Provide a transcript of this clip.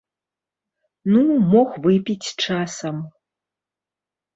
Ну, мог выпіць часам.